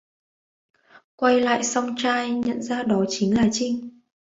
Quay lại song trai nhận ra đó chính là Chinh